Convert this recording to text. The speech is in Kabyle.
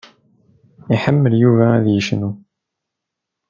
Iḥemmel Yuba ad yecnu.